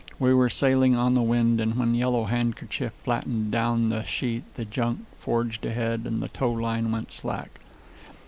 We were sailing on the wind, and when Yellow Handkerchief flattened down the sheet the junk forged ahead and the tow line went slack.